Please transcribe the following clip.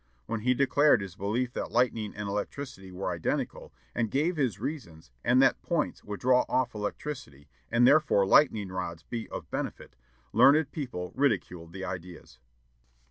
When he declared his belief that lightning and electricity were identical, and gave his reasons, and that points would draw off electricity, and therefore lightning rods be of benefit, learned people ridiculed the ideas.